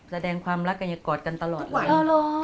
แสดงความรักกันอย่ากอดกันตลอดเลย